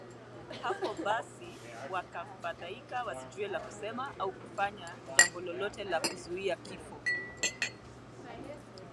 Hapo basi wakafadhaika wasijue la kusema au kufanya jambo lolote la kuzuia kifo